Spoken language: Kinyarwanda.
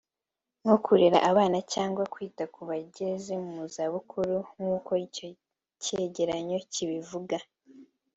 nko kurera abana cyangwa kwita ku bageze mu za bukuru nk’uko icyo cyegeranyo kibivuga